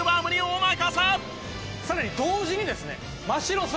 さらに同時にですね真城さん